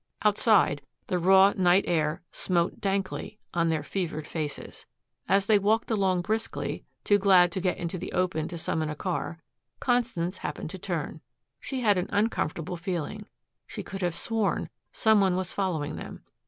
Outside the raw night air smote dankly on their fevered faces. As they walked along briskly, too glad to get into the open to summon a car, Constance happened to turn. She had an uncomfortable feeling. She could have sworn some one was following them.